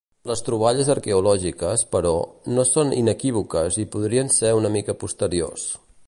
Les troballes arqueològiques, però, no són inequívoques i podrien ser una mica posteriors.